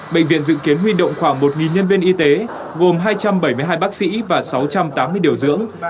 bệnh viện dự kiến huy động khoảng một nhân viên y tế gồm hai trăm bảy mươi hai bác sĩ và sáu trăm tám mươi điều dưỡng